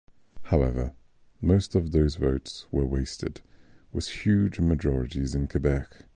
However, most of those votes were wasted with huge majorities in Quebec.